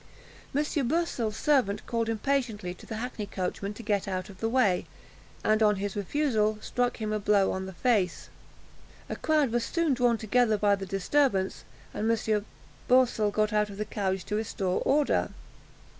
M. Boursel's servant called impatiently to the hackney coachman to get out of the way, and, on his refusal, struck him a blow on the face. A crowd was soon drawn together by the disturbance, and M. Boursel got out of the carriage to restore order.